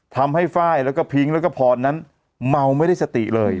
ไฟล์แล้วก็พิ้งแล้วก็พรนั้นเมาไม่ได้สติเลย